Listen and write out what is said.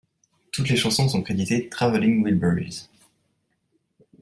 Toutes les chansons sont créditées Traveling Wilburys.